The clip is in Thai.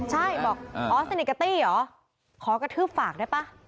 เหรอสเนคกับตี้อ๋อขอกระทืบฝากได้ป่า